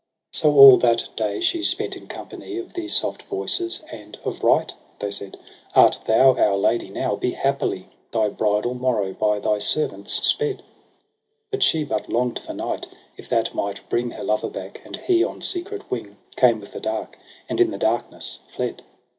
So all that day she spent in company Of the soft voices j and ®i rigjfet, they said, ilit tj^ou out Hatis n<>^* ^< l^^PPilS Ej^S btttal mottoiD i&s tjbs inbKVXi 0pctl. But she but long'd for night, if that might bring Her lover back j and he on secret wing Came with the dark, and in the darkness fled.